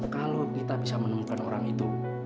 kalau kita bisa menemukan orang itu